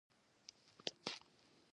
په دې کښي منطق څه دی.